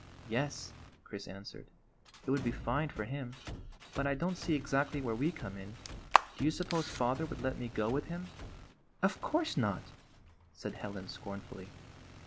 "Yes," Chris answered, "it would be fine for him; but I don't see exactly where we come in. Do you suppose father would let me go with him?" " Of course not," said Helen scornfully.